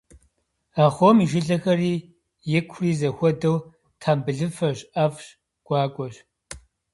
Ахъом и жылэхэри икури зэхуэдэу тхьэмбылыфэщ, ӏэфӏщ, гуакӏуэщ.